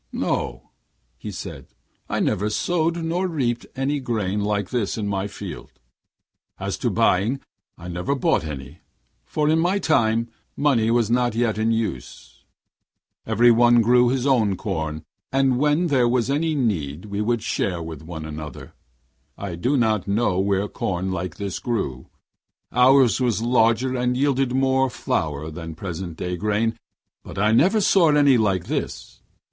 'No,' he said, 'I never sowed nor reaped any grain like this in my field. As to buying, I never bought any, for in my time money was not yet in use. Every one grew his own corn, and when there was any need we shared with one another. I do not know where corn like this grew. Ours was larger and yielded more flour than present day grain, but I never saw any like this.